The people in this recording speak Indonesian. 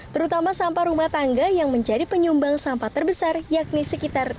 terutama sampah rumah tangga yang menjadi penyumbang sampah terbesar yakni sekitar enam puluh persen